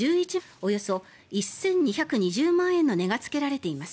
およそ１２２０万円の値がつけられています。